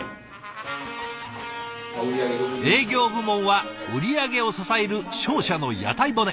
営業部門は売り上げを支える商社の屋台骨。